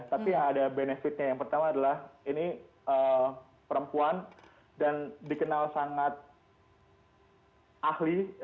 tapi yang ada benefitnya yang pertama adalah ini perempuan dan dikenal sangat ahli